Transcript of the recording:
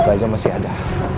masih masih ada